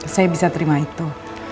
saya bisa terima itu